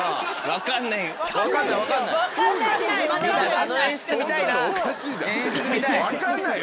分かんないまだ分かんない。